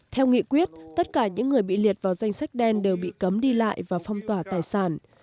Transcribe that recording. theo nghị quyết tất cả những người bị liệt vào danh sách đen đều bị cấm đi lại và phong tỏa tài sản